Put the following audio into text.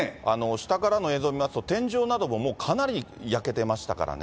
下からの映像見ますと、天井などももうかなり焼けてましたからね。